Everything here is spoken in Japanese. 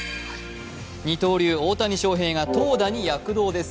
二刀流・大谷翔平が投打に躍動です。